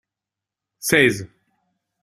Seize.